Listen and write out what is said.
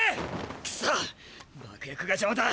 クソッ爆薬が邪魔だ！！